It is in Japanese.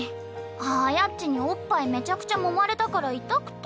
はやっちにおっぱいめちゃくちゃもまれたから痛くて。